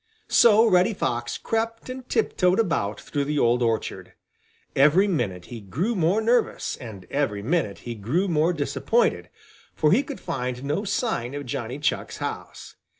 So Reddy Fox crept and tiptoed about through the old orchard. Every minute he grew more nervous, and every minute he grew more disappointed, for he could find no sign of Johnny Chuck's house.